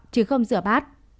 chứ không rửa bát